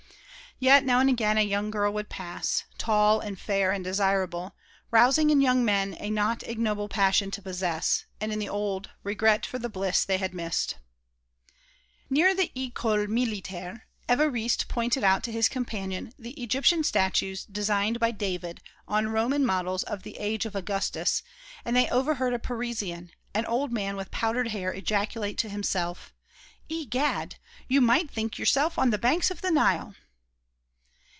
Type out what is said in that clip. Yet now and again a young girl would pass, tall and fair and desirable, rousing in young men a not ignoble passion to possess, and in the old regret for the bliss they had missed. Near the École Militaire Évariste pointed out to his companion the Egyptian statues designed by David on Roman models of the age of Augustus, and they overheard a Parisian, an old man with powdered hair, ejaculate to himself: "Egad! you might think yourself on the banks of the Nile!"